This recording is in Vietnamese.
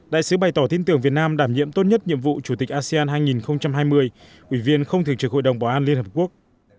đại sứ bày tỏ tin tưởng việt nam đảm nhiệm tốt nhất nhiệm vụ chủ tịch asean hai nghìn hai mươi ủy viên không thường trực hội đồng bảo an liên hợp quốc